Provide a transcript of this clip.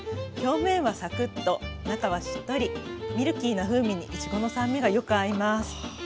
表面はサクッと中はしっとりミルキーな風味にいちごの酸味がよく合います。